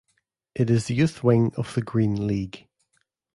It is the youth wing of the Green League.